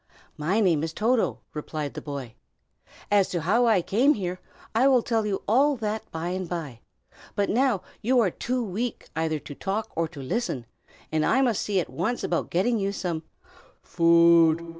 "My name is Toto," replied the boy. "As to how I came here, I will tell you all that by and by; but now you are too weak either to talk or to listen, and I must see at once about getting you some " "_Food!